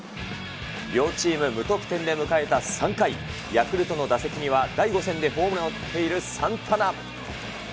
両チーム無得点で迎えた３回、ヤクルトの打席には、第５戦でホームランを打っているサンタナ。